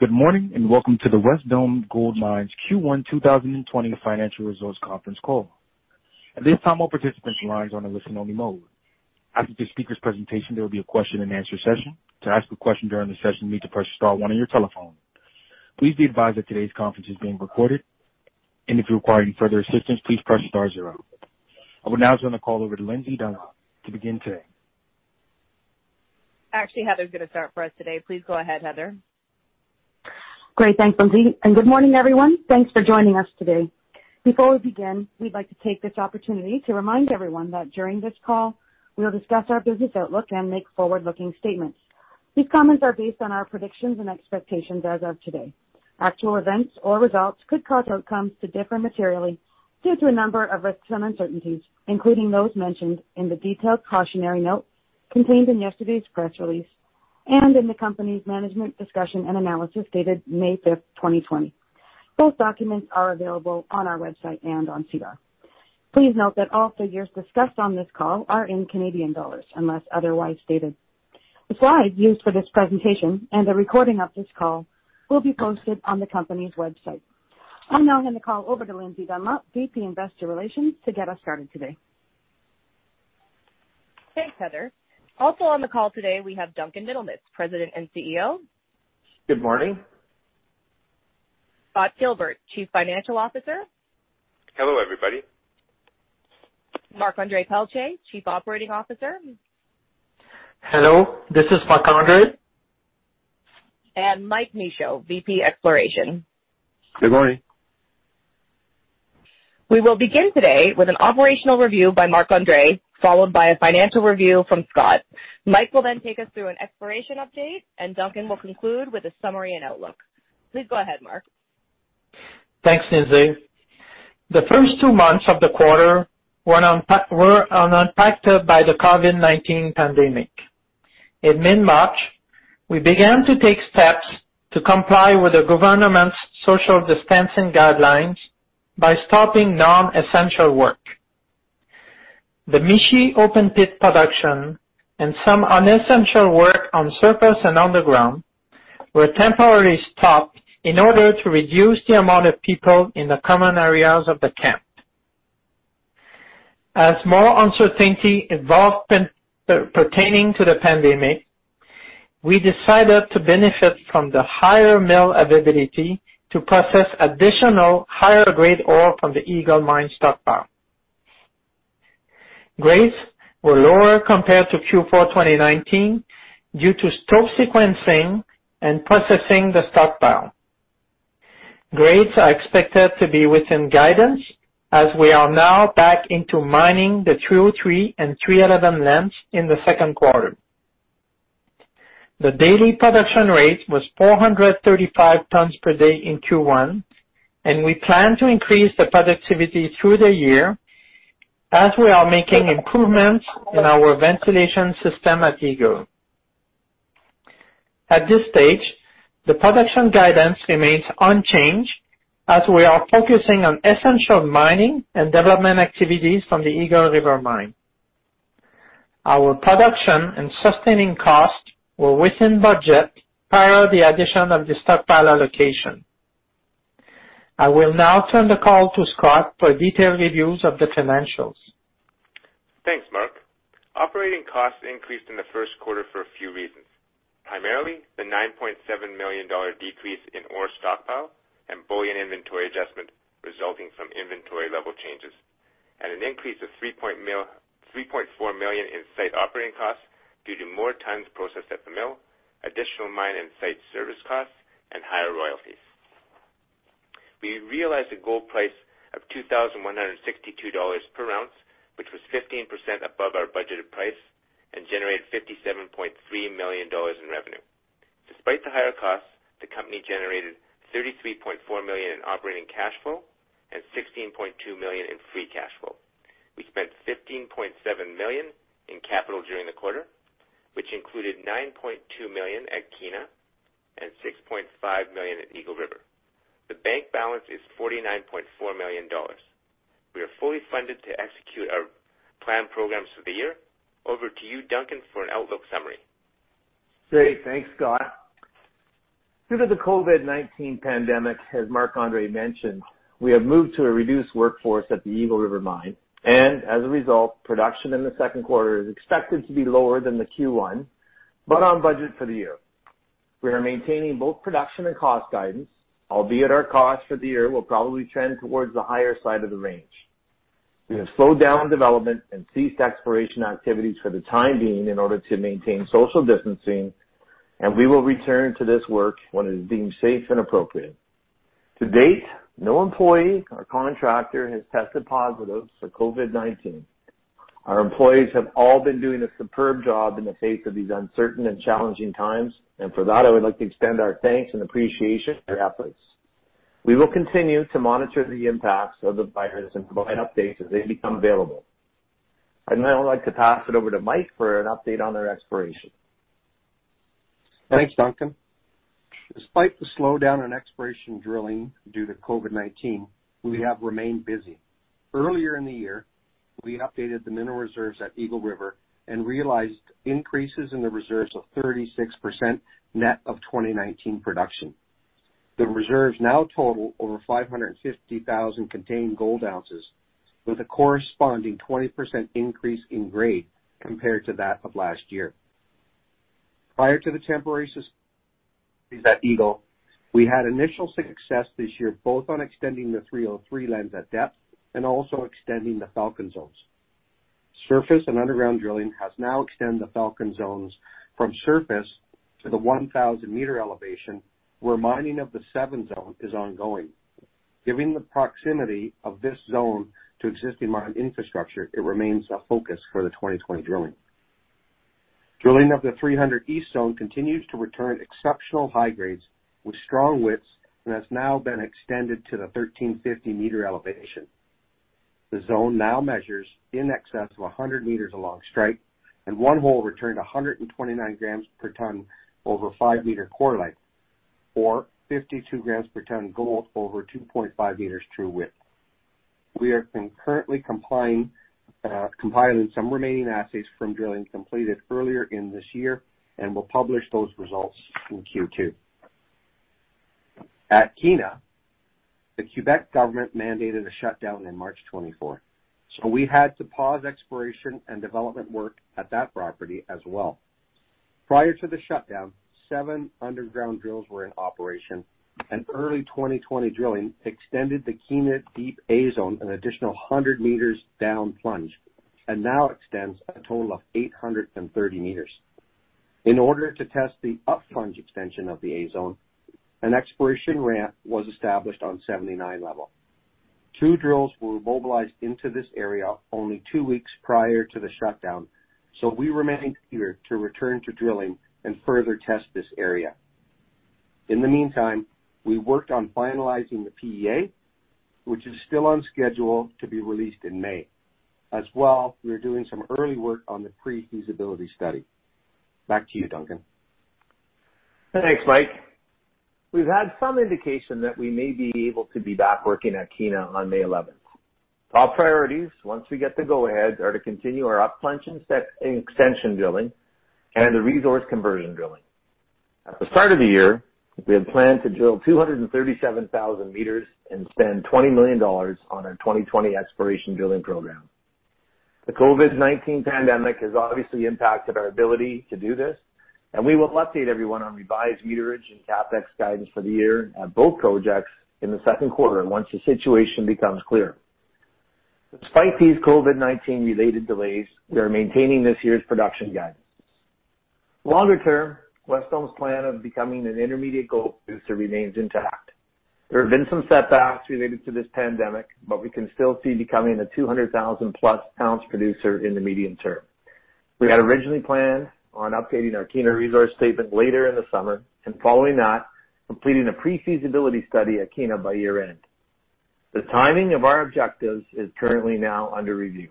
Good morning, and welcome to the Wesdome Gold Mines Q1 2020 Financial Results Conference Call. At this time, all participants' lines are on a listen-only mode. After the speakers' presentation, there will be a question-and-answer session. To ask a question during the session, you need to press star one on your telephone. Please be advised that today's conference is being recorded, and if you require any further assistance, please press star zero. I would now turn the call over to Lindsay Dunlop to begin today. Actually, Heather's going to start for us today. Please go ahead, Heather. Great. Thanks, Lindsay. Good morning, everyone. Thanks for joining us today. Before we begin, we'd like to take this opportunity to remind everyone that during this call, we will discuss our business outlook and make forward-looking statements. These comments are based on our predictions and expectations as of today. Actual events or results could cause outcomes to differ materially due to a number of risks and uncertainties, including those mentioned in the detailed cautionary note contained in yesterday's press release, and in the company's management discussion and analysis dated May 5th, 2020. Both documents are available on our website and on SEDAR. Please note that all figures discussed on this call are in Canadian dollars, unless otherwise stated. The slides used for this presentation and a recording of this call will be posted on the company's website. I'm now going to call over to Lindsay Dunlop, VP, Investor Relations, to get us started today. Thanks, Heather. Also on the call today, we have Duncan Middlemiss, President and CEO. Good morning. Scott Gilbert, Chief Financial Officer. Hello, everybody. Marc-Andre Pelletier, Chief Operating Officer. Hello, this is Marc-Andre. Mike Michaud, VP, Exploration. Good morning. We will begin today with an operational review by Marc-Andre, followed by a financial review from Scott. Mike will then take us through an exploration update, Duncan will conclude with a summary and outlook. Please go ahead, Marc. Thanks, Lindsay. The first two months of the quarter were unimpacted by the COVID-19 pandemic. In mid-March, we began to take steps to comply with the government's social distancing guidelines by stopping non-essential work. The Mishi open pit production and some unessential work on surface and underground were temporarily stopped in order to reduce the amount of people in the common areas of the camp. As more uncertainty evolved pertaining to the pandemic, we decided to benefit from the higher mill availability to process additional higher-grade ore from the Eagle Mine stockpile. Grades were lower compared to Q4 2019 due to stope sequencing and processing the stockpile. Grades are expected to be within guidance as we are now back into mining the 303 and 311 lens in the Q2. The daily production rate was 435 tons per day in Q1. We plan to increase the productivity through the year as we are making improvements in our ventilation system at Eagle. At this stage, the production guidance remains unchanged as we are focusing on essential mining and development activities from the Eagle River Mine. Our production and sustaining costs were within budget prior to the addition of the stockpile allocation. I will now turn the call to Scott for detailed reviews of the financials. Thanks, Marc. Operating costs increased in the Q1 for a few reasons. Primarily, the 9.7 million dollar decrease in ore stockpile and bullion inventory adjustment resulting from inventory level changes, and an increase of 3.4 million in site operating costs due to more tons processed at the mill, additional mine and site service costs, and higher royalties. We realized a gold price of 2,162 dollars per ounce, which was 15% above our budgeted price, and generated 57.3 million dollars in revenue. Despite the higher costs, the company generated 33.4 million in operating cash flow and 16.2 million in free cash flow. We spent 15.7 million in capital during the quarter, which included 9.2 million at Kiena and 6.5 million at Eagle River. The bank balance is 49.4 million dollars. We are fully funded to execute our planned programs for the year. Over to you, Duncan, for an outlook summary. Great. Thanks, Scott. Due to the COVID-19 pandemic, as Marc-Andre mentioned, we have moved to a reduced workforce at the Eagle River Mine and as a result, production in the Q2 is expected to be lower than the Q1, but on budget for the year. We are maintaining both production and cost guidance, albeit our cost for the year will probably trend towards the higher side of the range. We have slowed down development and ceased exploration activities for the time being in order to maintain social distancing, and we will return to this work when it is deemed safe and appropriate. To date, no employee or contractor has tested positive for COVID-19. Our employees have all been doing a superb job in the face of these uncertain and challenging times, and for that, I would like to extend our thanks and appreciation for their efforts. We will continue to monitor the impacts of the virus and provide updates as they become available. I'd now like to pass it over to Mike for an update on our exploration. Thanks, Duncan. Despite the slowdown in exploration drilling due to COVID-19, we have remained busy. Earlier in the year, we updated the mineral reserves at Eagle River and realized increases in the reserves of 36% net of 2019 production. The reserves now total over 550,000 contained gold ounces, with a corresponding 20% increase in grade compared to that of last year. Prior to the temporary at Eagle, we had initial success this year, both on extending the 303 lens at depth and also extending the Falcon zones. Surface and underground drilling has now extended the Falcon zones from surface to the 1,000-meter elevation, where mining of the seven Zone is ongoing. Given the proximity of this zone to existing mine infrastructure, it remains a focus for the 2020 drilling. Drilling of the 300 East Zone continues to return exceptional high grades with strong widths and has now been extended to the 1350-meter elevation. The zone now measures in excess of 100 meters along strike. One hole returned 129g per ton over a five-meter core length or 52g per ton gold over 2.5 meters true width. We are concurrently compiling some remaining assays from drilling completed earlier in this year and will publish those results in Q2. At Kiena, the Quebec government mandated a shutdown on March 24th, so we had to pause exploration and development work at that property as well. Prior to the shutdown, seven underground drills were in operation. Early 2020 drilling extended the Kiena Deep A Zone an additional 100 meters down plunge, and now extends a total of 830 meters. In order to test the up-plunge extension of the A Zone, an exploration ramp was established on 79 Level. Two drills were mobilized into this area only two weeks prior to the shutdown. We remain eager to return to drilling and further test this area. In the meantime, we worked on finalizing the PEA, which is still on schedule to be released in May. We are doing some early work on the pre-feasibility study. Back to you, Duncan. Thanks, Mike. We've had some indication that we may be able to be back working at Kiena on May 11th. Top priorities, once we get the go-ahead, are to continue our up-plunge extension drilling and the resource conversion drilling. At the start of the year, we had planned to drill 237,000 meters and spend 20 million dollars on our 2020 exploration drilling program. The COVID-19 pandemic has obviously impacted our ability to do this, and we will update everyone on revised meterage and CapEx guidance for the year on both projects in the Q2, once the situation becomes clearer. Despite these COVID-19 related delays, we are maintaining this year's production guidance. Longer term, Wesdome's plan of becoming an intermediate gold producer remains intact. There have been some setbacks related to this pandemic, but we can still see becoming a 200,000-plus ounce producer in the medium term. We had originally planned on updating our Kiena resource statement later in the summer and following that, completing a pre-feasibility study at Kiena by year-end. The timing of our objectives is currently now under review.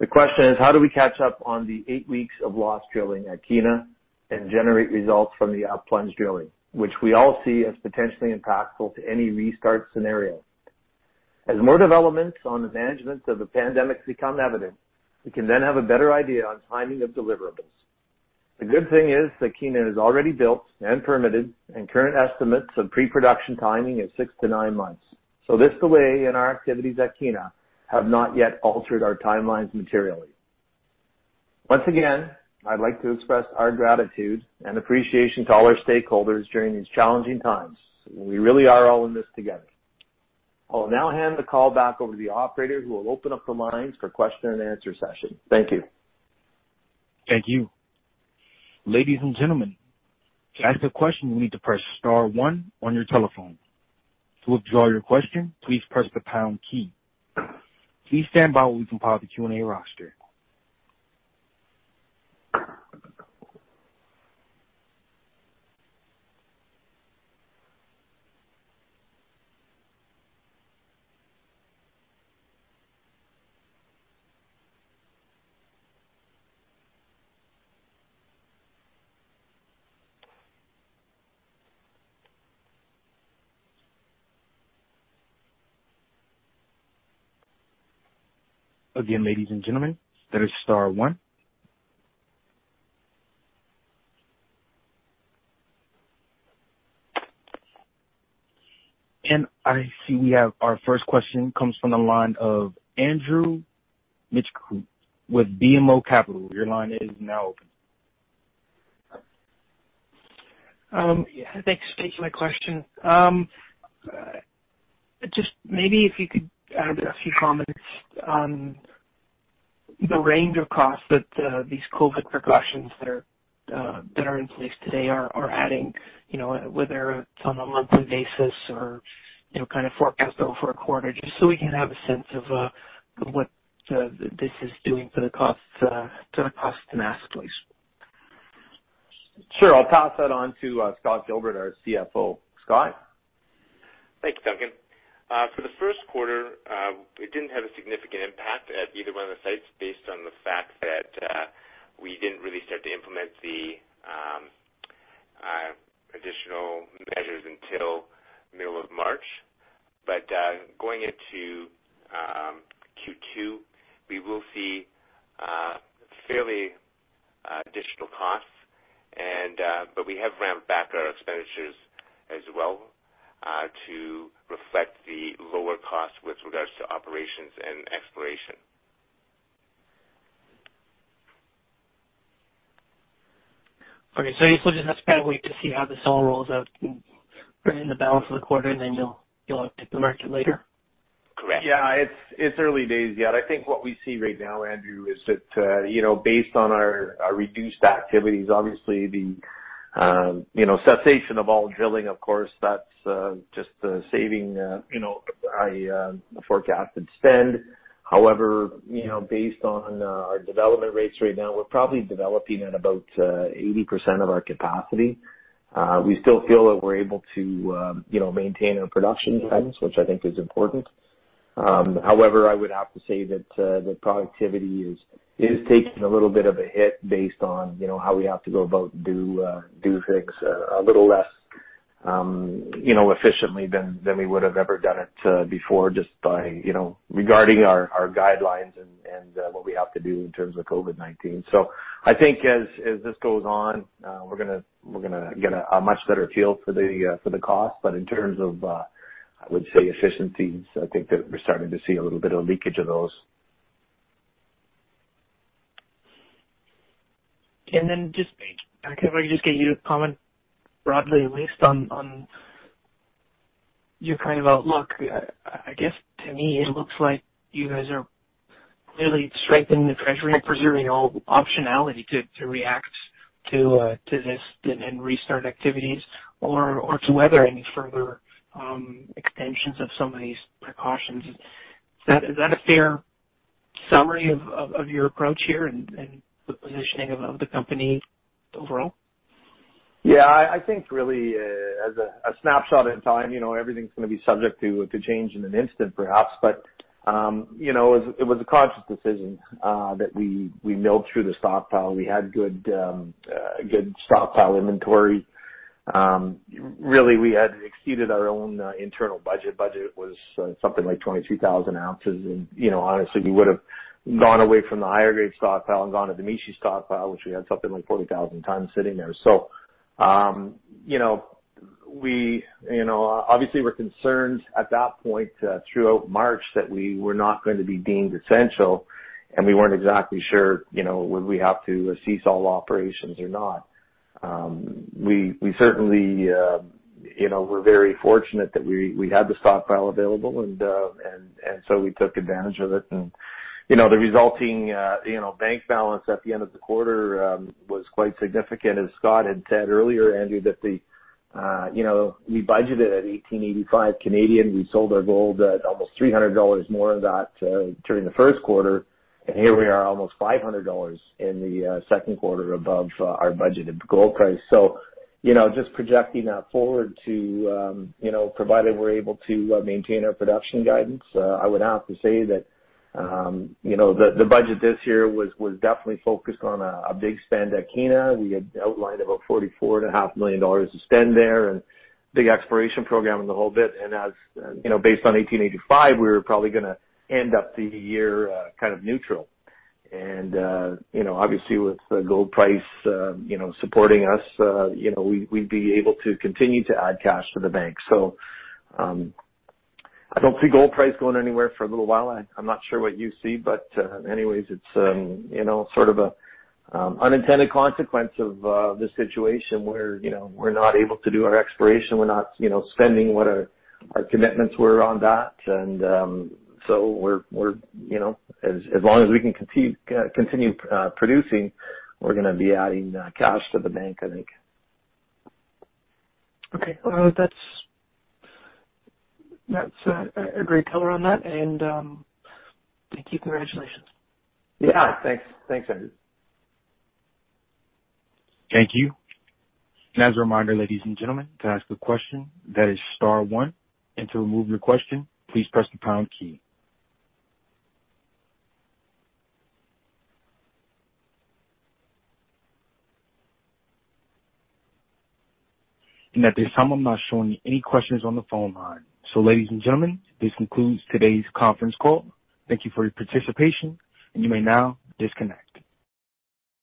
The question is, how do we catch up on the eight weeks of lost drilling at Kiena and generate results from the up-plunge drilling, which we all see as potentially impactful to any restart scenario? As more developments on the management of the pandemic become evident, we can then have a better idea on timing of deliverables. The good thing is that Kiena is already built and permitted, and current estimates of pre-production timing is six to nine months. This delay in our activities at Kiena have not yet altered our timelines materially. Once again, I'd like to express our gratitude and appreciation to all our stakeholders during these challenging times. We really are all in this together. I will now hand the call back over to the operator, who will open up the lines for question and answer session. Thank you. Thank you. Ladies and gentlemen, to ask a question, you'll need to press star one on your telephone. To withdraw your question, please press the pound key. Please stand by while we compile the Q&A roster. Again, ladies and gentlemen, that is star one. I see we have our first question comes from the line of Andrew Mikitchook with BMO Capital. Your line is now open. Yeah, thanks for taking my question. Just maybe if you could add a few comments on the range of costs that these COVID precautions that are in place today are adding, whether it's on a monthly basis or forecast over a quarter, just so we can have a sense of what this is doing to the costs and ask, please. Sure. I'll pass that on to Scott Gilbert, our CFO. Scott? Thanks, Duncan. For the Q1, it didn't have a significant impact at either one of the sites based on the fact that we didn't really start to implement the additional measures until middle of March. Going into Q2, we will see fairly additional costs, but we have ramped back our expenditures as well, to reflect the lower cost with regards to operations and exploration. You'll just have to wait to see how this all rolls out in the balance of the quarter, and then you'll update the market later? Correct. Yeah. It's early days yet. I think what we see right now, Andrew, is that based on our reduced activities, obviously the cessation of all drilling, of course, that's just saving a forecasted spend. However, based on our development rates right now, we're probably developing at about 80% of our capacity. We still feel that we're able to maintain our production guidance, which I think is important. However, I would have to say that productivity is taking a little bit of a hit based on how we have to go about do things a little less efficiently than we would have ever done it before regarding our guidelines and what we have to do in terms of COVID-19. I think as this goes on, we're going to get a much better feel for the cost. In terms of, I would say, efficiencies, I think that we're starting to see a little bit of leakage of those. If I could just get you to comment broadly, Wes, on your kind of outlook. I guess to me, it looks like you guys are clearly strengthening the treasury and preserving all optionality to react to this and restart activities or to weather any further extensions of some of these precautions. Is that a fair summary of your approach here and the positioning of the company overall? I think really, as a snapshot in time, everything's going to be subject to change in an instant, perhaps. It was a conscious decision that we milled through the stockpile. We had good stockpile inventory. Really, we had exceeded our own internal budget. Budget was something like 22,000 ounces, and honestly, we would have gone away from the higher grade stockpile and gone to the Mishi stockpile, which we had something like 40,000 tons sitting there. Obviously we're concerned at that point, throughout March, that we were not going to be deemed essential, and we weren't exactly sure would we have to cease all operations or not. We certainly were very fortunate that we had the stockpile available, we took advantage of it. The resulting bank balance at the end of the quarter was quite significant. As Scott had said earlier, Andrew, that we budgeted at 1,885. We sold our gold at almost 300 dollars more of that during the first quarter. Here we are almost 500 dollars in the second quarter above our budgeted gold price. Just projecting that forward provided we're able to maintain our production guidance, I would have to say that the budget this year was definitely focused on a big spend at Kiena. We had outlined about 44.5 million dollars to spend there and big exploration program and the whole bit. Based on 1,885, we were probably going to end up the year kind of neutral. Obviously, with the gold price supporting us, we'd be able to continue to add cash to the bank. I don't see gold price going anywhere for a little while. I'm not sure what you see, but anyways, it's sort of an unintended consequence of this situation where we're not able to do our exploration. We're not spending what our commitments were on that. As long as we can continue producing, we're going to be adding cash to the bank, I think. Okay. Well, that's a great color on that, and thank you. Congratulations. Yeah. Thanks, Andrew. Thank you. As a reminder, ladies and gentlemen, to ask a question, that is star one, and to remove your question, please press the pound key. At this time, I'm not showing any questions on the phone line. Ladies and gentlemen, this concludes today's conference call. Thank you for your participation, and you may now disconnect.